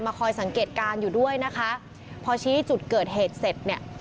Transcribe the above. คอยสังเกตการณ์อยู่ด้วยนะคะพอชี้จุดเกิดเหตุเสร็จเนี่ย